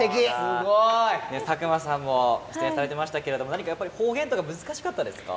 すごい！佐久間さんも出演されてましたけれども何かやっぱり方言とか難しかったですか？